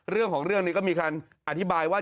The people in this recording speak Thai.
เรื่องของเรื่องนี้ก็มีการอธิบายว่า